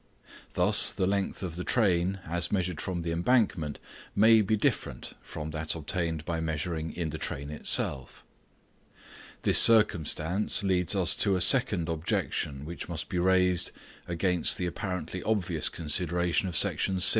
Thus the length of the train as measured from the embankment may be different from that obtained by measuring in the train itself. This circumstance leads us to a second objection which must be raised against the apparently obvious consideration of Section 6.